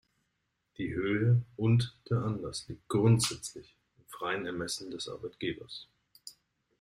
Die Höhe und der der Anlass liegt grundsätzlich im freien Ermessen des Arbeitgebers.